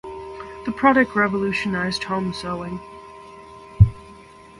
The product revolutionized home sewing.